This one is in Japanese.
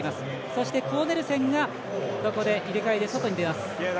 そして、コーネルセンがここで入れ替えで外に出ます。